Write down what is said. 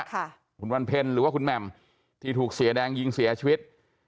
ค่ะคุณวันเพ็ญหรือว่าคุณแหม่มที่ถูกเสียแดงยิงเสียชีวิต